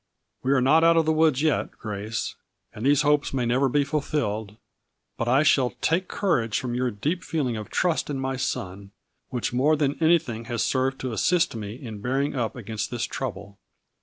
We are not out of the woods yet, Grace, and these hopes may never be fulfilled, but I shall take courage from your deep feeling of trust in my son, which more than anything has served to assist me in bearing up against this trouble.